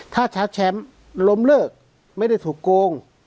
ถ้าชาร์จแชมป์ล้มเลิกไม่ได้ถูกโกง